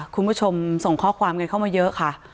คุณผู้ชมส่งข้อความกันเข้ามาเยอะค่ะ